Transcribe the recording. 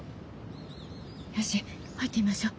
よし入ってみましょう。